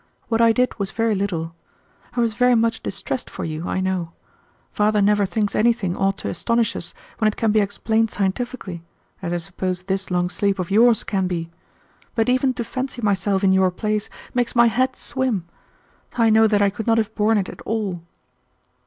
What I did was very little. I was very much distressed for you, I know. Father never thinks anything ought to astonish us when it can be explained scientifically, as I suppose this long sleep of yours can be, but even to fancy myself in your place makes my head swim. I know that I could not have borne it at all."